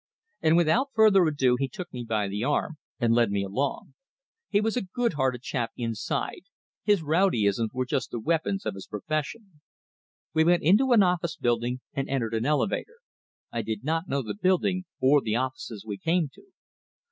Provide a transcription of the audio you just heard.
And without further ado he took me by the arm and led me along. He was a good hearted chap inside; his rowdyisms were just the weapons of his profession. We went into an office building, and entered an elevator. I did not know the building, or the offices we came to.